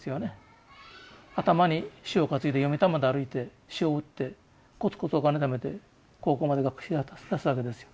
頭に塩担いで読谷まで歩いて塩売ってこつこつお金ためて高校まで学費出すわけですよ。